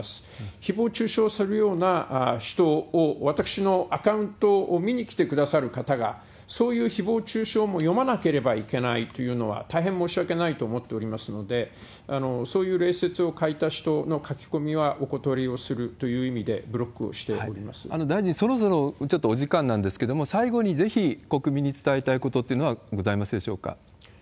ひぼう中傷をするような人を、私のアカウントを見に来てくださる方が、そういうひぼう中傷も読まなければいけないというのは、大変申し訳ないと思っておりますので、そういう礼節を欠いた人の書き込みはお断りをするということで、大臣、そろそろお時間なんですけれども、最後に、ぜひ国民に伝えたいことってのはございますでしょうか？